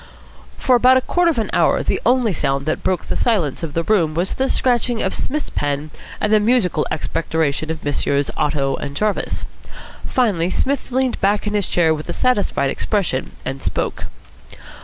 For about a quarter of an hour the only sound that broke the silence of the room was the scratching of Psmith's pen and the musical expectoration of Messrs. Otto and Jarvis. Finally Psmith leaned back in his chair with a satisfied expression, and spoke.